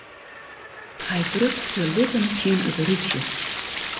Hy drukt de lippen tsjin it rútsje.